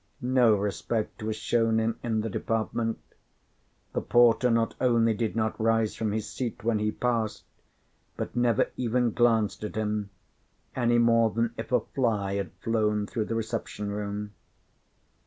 No respect was shown him in the department. The porter not only did not rise from his seat when he passed, but never even glanced at him, any more than if a fly had flown through the reception room.